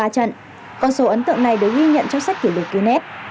con số ấn tượng này được ghi nhận trong sách kỷ lục cunet